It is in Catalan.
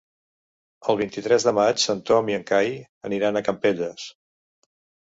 El vint-i-tres de maig en Tom i en Cai aniran a Campelles.